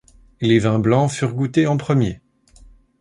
Les vins blancs furent goûtés en premier.